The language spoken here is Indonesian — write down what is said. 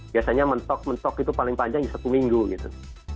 biasanya mentok mentok itu paling panjang satu minggu gitu